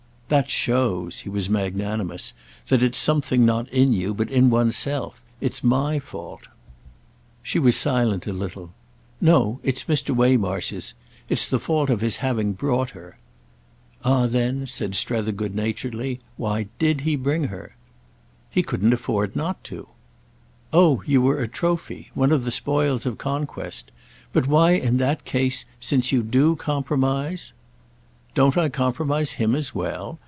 "That shows"—he was magnanimous—"that it's something not in you, but in one's self. It's my fault." She was silent a little. "No, it's Mr. Waymarsh's. It's the fault of his having brought her." "Ah then," said Strether good naturedly, "why did he bring her?" "He couldn't afford not to." "Oh you were a trophy—one of the spoils of conquest? But why in that case, since you do 'compromise'—" "Don't I compromise him as well?